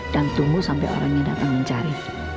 dan tunggu sampai orangnya datang mencari